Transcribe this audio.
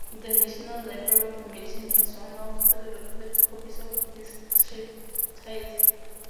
The National Library of Medicine has one of three recorded copies of this treatise.